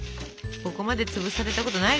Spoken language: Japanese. ここまで潰されたことないでしょうよ